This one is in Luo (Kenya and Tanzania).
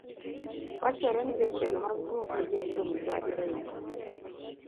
Wachore ni jotelo mag bungu gin jo mibadhi ahinya.